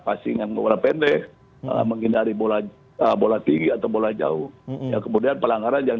passing yang berbentuk menghindari bola bola tinggi atau bola jauh kemudian pelanggaran yang